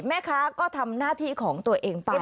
แม่ค้าก็ทำหน้าที่ของตัวเองไป